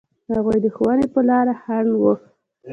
هغوی د ښوونې په لاره خنډ و.